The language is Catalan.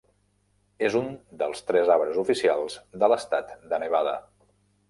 És un dels tres arbres oficials de l'estat de Nevada.